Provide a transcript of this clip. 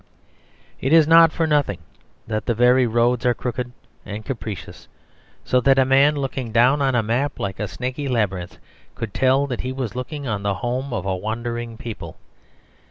It is not for nothing that the very roads are crooked and capricious, so that a man looking down on a map like a snaky labyrinth, could tell that he was looking on the home of a wandering people.